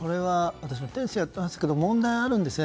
私もテニスをやっていますが問題があるんですよね。